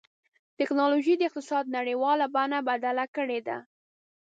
ټکنالوجي د اقتصاد نړیواله بڼه بدله کړې ده.